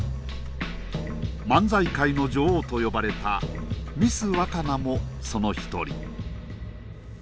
漫才界の女王と呼ばれたミスワカナもその一人。